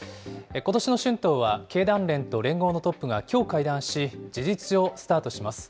ことしの春闘は、経団連と連合のトップがきょう会談し、事実上スタートします。